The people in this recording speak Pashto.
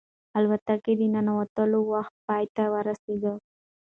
الوتکې ته د ننوتلو وخت پای ته ورسېد.